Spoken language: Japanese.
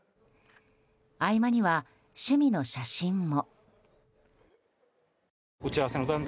合間には、趣味の写真も。